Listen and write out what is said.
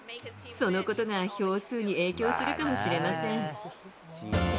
そのことが票数に影響するかもしれません。